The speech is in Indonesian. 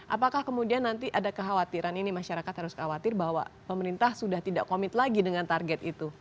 apakah kemudian nanti ada kekhawatiran ini masyarakat harus khawatir bahwa pemerintah sudah tidak komit lagi dengan target itu